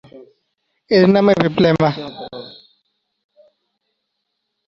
এর নাম এপিব্লেমা।